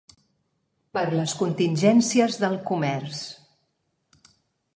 Per les contingències del comerç